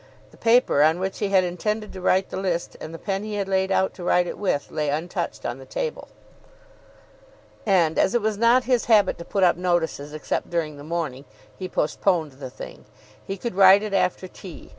The paper on which he had intended to write the list and the pen he had laid out to write it with lay untouched on the table. And, as it was not his habit to put up notices except during the morning, he postponed the thing. He could write it after tea.